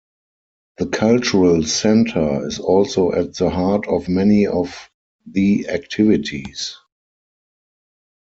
The cultural centre is also at the heart of many of the activities.